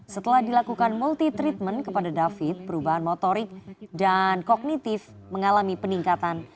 setelah dilakukan multi treatment kepada david perubahan motorik dan kognitif mengalami peningkatan